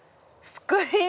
スクリーン。